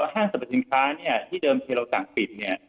ห้างสรรพสินค้าเนี่ยที่เดิมที่เราสั่งปิดเนี่ย